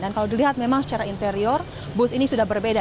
dan kalau dilihat memang secara interior bus ini sudah berbeda